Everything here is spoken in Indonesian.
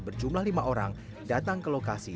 berjumlah lima orang datang ke lokasi